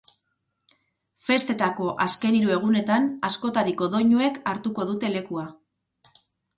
Festetako azken hiru egunetan, askotariko doinuek hartuko dute lekua.